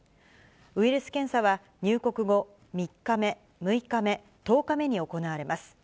ウイルス検査は、入国後３日目、６日目、１０日目に行われます。